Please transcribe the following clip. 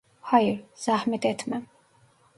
Hayır, zahmet etme.